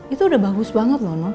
itu udah bagus banget loh